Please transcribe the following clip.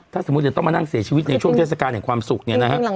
ถ้าสมมติอยู่ต้องมานั่งเสียชีวิตในช่วงเวลาเทศกาลหรือความสุขเนี่ยนะครับ